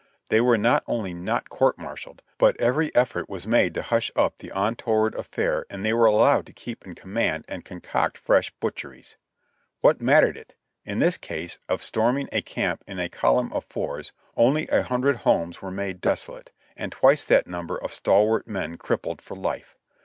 They were not only not court martialed, but every effort was made to hush up the untoward affair and they were allowed to keep in com mand and concoct fresh butcheries. What mattered it? In this case of storming a camp in a column of fours, only a hundred homes were made desolate, and twice that number of stalwart men crippled for life.